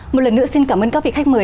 một lần nữa xin cảm ơn các vị khách mời